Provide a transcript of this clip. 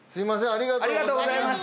ありがとうございます。